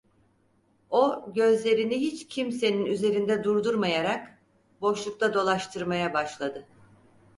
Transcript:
O, gözlerini hiç kimsenin üzerinde durdurmayarak, boşlukta dolaştırmaya başladı.